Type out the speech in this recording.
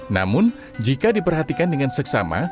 namun jika diperhatikan dengan seksama